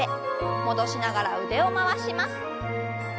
戻しながら腕を回します。